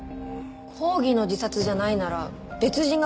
抗議の自殺じゃないなら別人が書いたって事ですか？